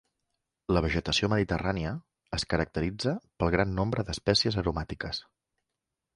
La vegetació mediterrània es caracteritza pel gran nombre d'espècies aromàtiques.